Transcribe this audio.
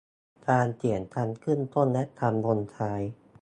การเขียนคำขึ้นต้นและคำลงท้าย